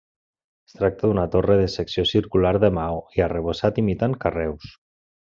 Es tracta d'una torre de secció circular de maó i arrebossat imitant carreus.